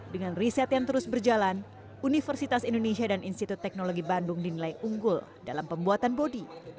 dengan riset yang terus berjalan universitas indonesia dan institut teknologi bandung dinilai unggul dalam pembuatan bodi